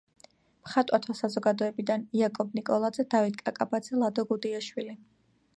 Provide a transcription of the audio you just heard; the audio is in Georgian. მხატვართა საზოგადოებიდან: იაკობ ნიკოლაძე, დავით კაკაბაძე, ლადო გუდიაშვილი.